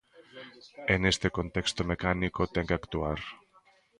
E neste contexto mecánico ten que actuar.